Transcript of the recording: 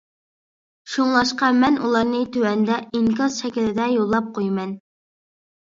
شۇڭلاشقا مەن ئۇلارنى تۆۋەندە ئىنكاس شەكلىدە يوللاپ قويىمەن.